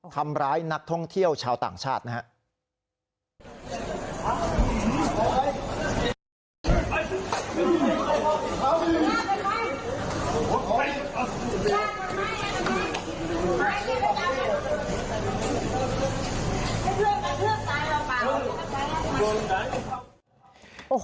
ทำร้ายนักท่องเที่ยวชาวต่างชาตินะครับ